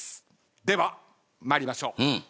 では参りましょう。